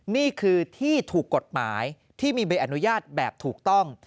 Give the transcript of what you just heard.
นี่คือที่ถูกกฎหมายที่มีใบอนุญาตแบบถูกต้อง